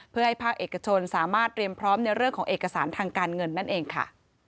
เพื่อให้ภาคเอกชนสามารถเตรียมพร้อมในเรื่องของเอกสารทางการเงินนั่นเองค่ะ